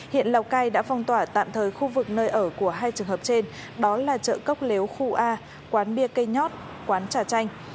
hiện lào cai đã phong tỏa tạm thời khu vực nơi ở của hai trường hợp trên đó là chợ cốc lếu khu a quán bia cây nhót quán trà chanh